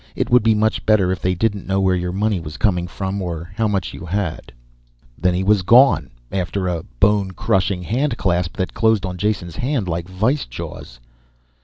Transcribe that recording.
It would be much better if they didn't know where your money was coming from or how much you had." Then he was gone, after a bone crushing handclasp that closed on Jason's hand like vise jaws.